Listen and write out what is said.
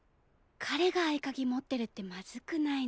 彼が合鍵持ってるってまずくないの？